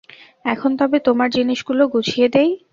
এখন তবে তোমার জিনিসগুলি গুছিয়ে দিই।